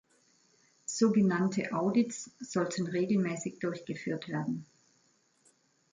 So genannte Audits sollten regelmäßig durchgeführt werden.